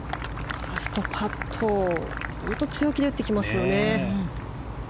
ファーストパット強気で打ってきますよね。